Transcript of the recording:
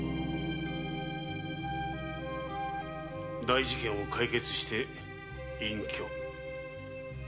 大事件を解決して隠居。